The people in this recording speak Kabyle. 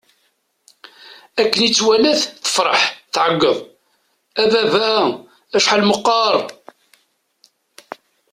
Akken i tt-walat, tefṛeḥ, tɛeggeḍ: A baba! Acḥal meqqeṛ!